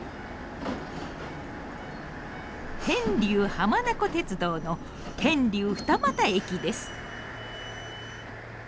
天竜浜名湖鉄道の天竜二俣駅です。